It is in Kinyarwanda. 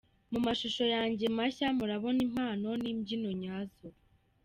Mu mashusho yanjye mashya murabona impano n’imbyino nyazo.